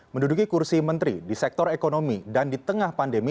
menduduki kursi menteri di sektor ekonomi dan di tengah pandemi